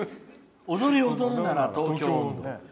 「踊り踊るなら東京音頭」。